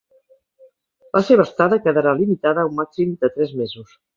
La seva estada quedarà limitada a un màxim de tres mesos.